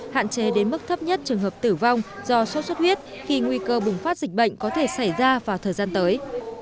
hạn chế đến mức thấp nhất trường hợp tử vong do sốt xuất huyết khi nguy cơ bùng phát dịch bệnh có thể xảy ra vào thời gian tới